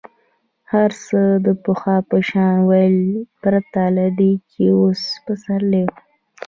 هر څه د پخوا په شان ول پرته له دې چې اوس پسرلی وو.